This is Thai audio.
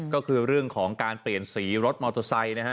ก็คือเรื่องของการเปลี่ยนสีรถมอเตอร์ไซค์นะฮะ